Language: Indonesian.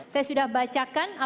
saya sudah bacakan